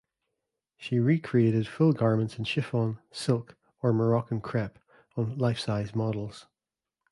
She recreated full garments in chiffon, silk, or Moroccan crepe on life-size models.